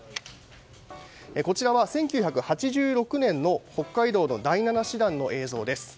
こちらは１９８６年の北海道の第７師団の映像です。